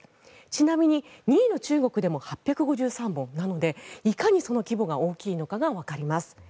ちなみに２位の中国でも８５３本なのでいかにその規模が大きいのかがわかります。